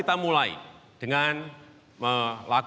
terima kasih banyak banyak